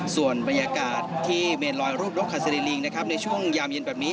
ส่วนบรรยากาศที่เมนลอยรูปนกฮาซีรีลิงนะครับในช่วงยามเย็นแบบนี้